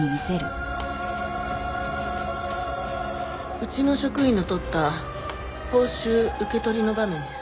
うちの職員の撮った報酬受け取りの場面です。